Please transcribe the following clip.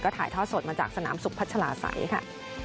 ก็ถ่ายท่อสดมาจากสนามสุขพัชลาใสค่ะ